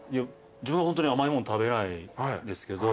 自分はホントに甘いもん食べないんですけど。